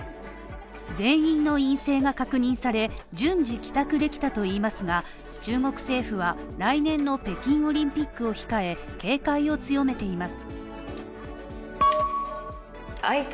全員の陰性が確認され、順次帰宅できたといいますが、中国政府は来年の北京オリンピックを控え警戒を強めています。